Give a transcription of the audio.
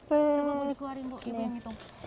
coba bu dikeluarin bu ibu yang ngitung